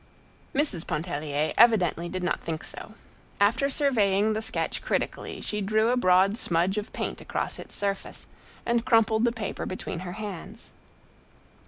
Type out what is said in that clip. Mrs. Pontellier evidently did not think so. After surveying the sketch critically she drew a broad smudge of paint across its surface, and crumpled the paper between her hands.